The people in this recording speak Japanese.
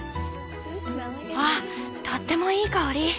あっとってもいい香り。